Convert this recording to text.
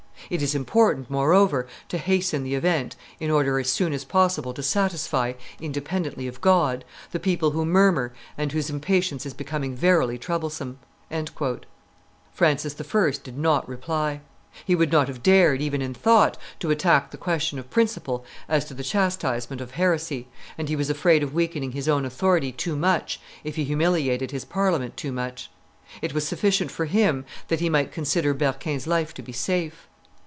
It is important, moreover, to hasten the event in order as soon as possible to satisfy, independently of God, the people who murmur and whose impatience is becoming verily troublesome." Francis I. did not reply. He would not have dared, even in thought, to attack the question of principle as to the chastisement of heresy, and he was afraid of weakening his own Authority too much if he humiliated his Parliament too much; it was sufficient for him that he might consider Berquin's life to be safe.